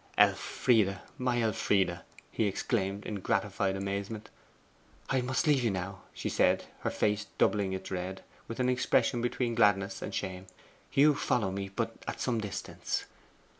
'Elfride, my Elfride!' he exclaimed in gratified amazement. 'I must leave you now,' she said, her face doubling its red, with an expression between gladness and shame 'You follow me, but at some distance.